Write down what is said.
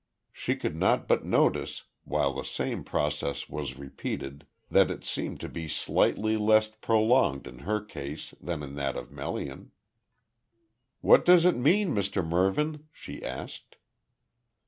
She could not but notice, while the same process was repeated, that it seemed to be slightly less prolonged in her case than in that of Melian. "What does it mean, Mr Mervyn?" she asked.